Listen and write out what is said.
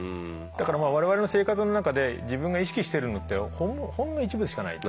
だから我々の生活の中で自分が意識してるのってほんの一部でしかない。